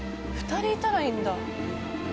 ２人いたらいいんだ。